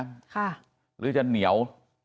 เอื้อละหรือจะเหนียว